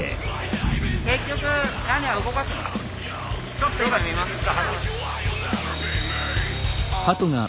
ちょっと今見ます。